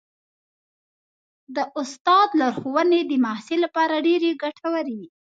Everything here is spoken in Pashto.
د استاد لارښوونې د محصل لپاره ډېرې ګټورې وي.